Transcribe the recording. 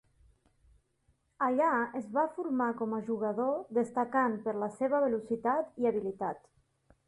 Allà es va formar com a jugador destacant per la seva velocitat i habilitat.